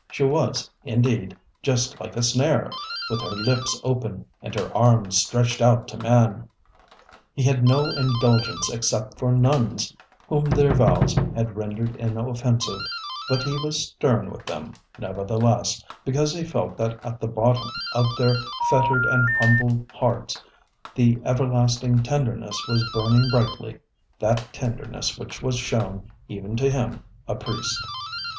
She was, indeed, just like a snare, with her lips open and her arms stretched out to man. He had no indulgence except for nuns, whom their vows had rendered inoffensive; but he was stern with them, nevertheless, because he felt that at the bottom of their fettered and humble hearts the everlasting tenderness was burning brightlyŌĆöthat tenderness which was shown even to him, a priest.